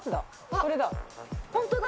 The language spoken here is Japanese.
これだ。